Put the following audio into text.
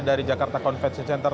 dari jakarta convention center